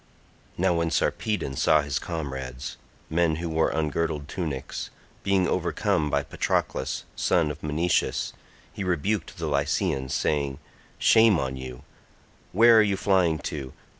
Now when Sarpedon saw his comrades, men who wore ungirdled tunics, being overcome by Patroclus son of Menoetius, he rebuked the Lycians saying. "Shame on you, where are you flying to?